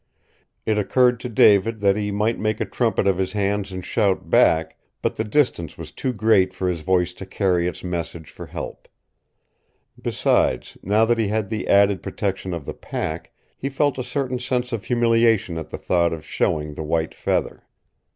It occurred to David that he might make a trumpet of his hands and shout back, but the distance was too great for his voice to carry its message for help. Besides, now that he had the added protection of the pack, he felt a certain sense of humiliation at the thought of showing the white feather.